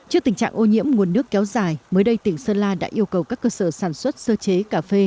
trước tình trạng ô nhiễm nguồn nước kéo dài mới đây tỉnh sơn la đã yêu cầu các cơ sở sản xuất sơ chế cà phê